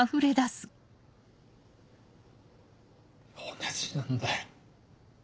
同じなんだよ。